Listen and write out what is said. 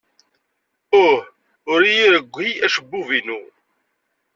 Uh! Ur iyi-rewwi acebbub-inu!